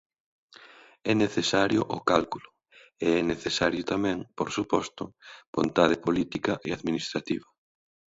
É necesario o cálculo e é necesario tamén, por suposto, vontade política e administrativa.